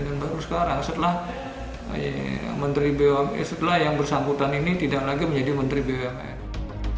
dan baru sekarang setelah yang bersangkutan ini tidak lagi menjadi menteri bumn